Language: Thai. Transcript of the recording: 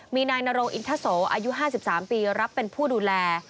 มีนายนรงอินทโสอายุ๕๓ปีรับเป็นผู้ดูแล